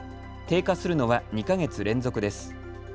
低下するのは２か月連続です。